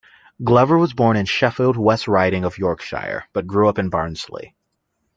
Glover was born in Sheffield, West Riding of Yorkshire, but grew up in Barnsley.